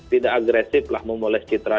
tidak agresiflah memoles citra